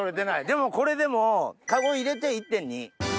でもこれでもカゴ入れて１．２。